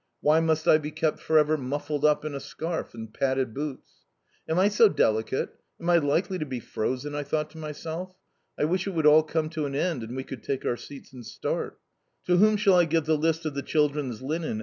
Why must I be kept forever muffled up in a scarf and padded boots? "Am I so delicate? Am I likely to be frozen?" I thought to myself. "I wish it would all come to an end, and we could take our seats and start." "To whom shall I give the list of the children's linen?"